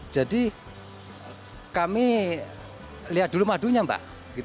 jadi kami lihat dulu madunya mbak